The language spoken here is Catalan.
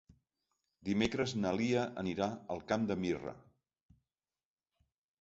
Dimecres na Lia anirà al Camp de Mirra.